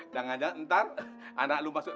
jangan jangan ntar anak lu masuk tk